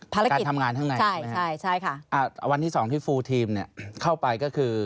ภารกิจใช่ค่ะวันที่สองที่ฟูลทีมเนี่ยเข้าไปก็คือ